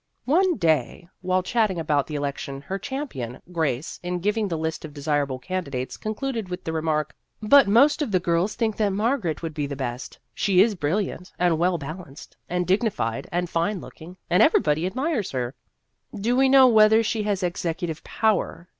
One day, while chatting about the election, her champion, Grace, in giving the list of desirable candidates, concluded with the remark :" But most of the girls think that Margaret would be the best. She is brilliant and well balanced and dig nified and fine looking, and everybody admires her." " Do we know whether she has execu tive power?"